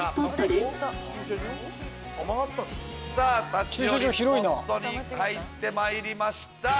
立ち寄りスポットに入ってまいりました。